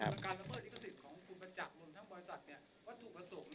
การระเบิดลิขสิทธิ์ของคุณประจักรมน์ทั้งบริษัทเนี่ยว่าถูกประสงค์เนี่ย